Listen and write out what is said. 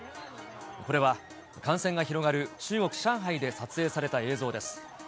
これは感染が広がる中国・上海で撮影された映像です。